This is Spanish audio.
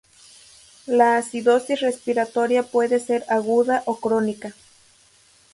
La acidosis respiratoria puede ser aguda o crónica.